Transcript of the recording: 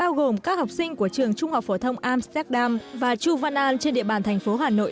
viên các học sinh của trường trung học phổ thông amsterdam và chu van an trên địa bàn thành phố hà nội